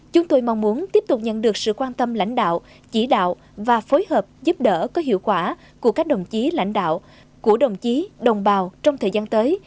chúng tôi mong muốn tiếp tục nhận được sự quan tâm lãnh đạo chỉ đạo và phối hợp giúp đỡ có hiệu quả của các đồng chí lãnh đạo của đồng chí đồng bào trong thời gian tới